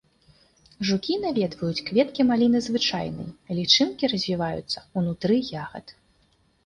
Жукі наведваюць кветкі маліны звычайнай, лічынкі развіваюцца ўнутры ягад.